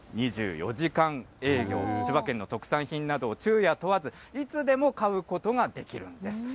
２４時間営業、千葉県の特産品などを昼夜問わず、いつでも買うことができるんです。